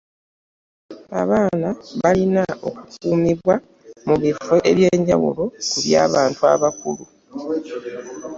Abaana balina okukuumibwa mu bifo eby’enjawulo ku by’abantu abakulu.